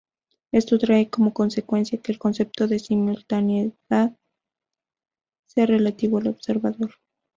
Esto trae como consecuencia, que el concepto de simultaneidad sea relativo al observador.